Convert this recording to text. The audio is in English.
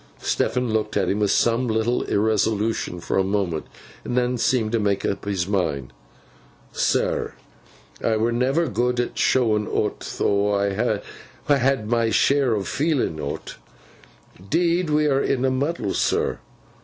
Stephen looked at him with some little irresolution for a moment, and then seemed to make up his mind. 'Sir, I were never good at showin o 't, though I ha had'n my share in feeling o 't. 'Deed we are in a muddle, sir.